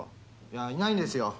いやいないんですよ